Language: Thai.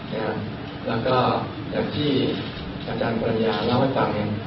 แล้วก็อย่างที่อาจารย์ปริญญาเล่าให้ฟัง